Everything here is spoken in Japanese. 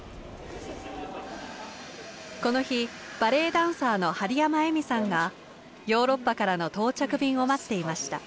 この日バレエダンサーの針山愛美さんがヨーロッパからの到着便を待っていました。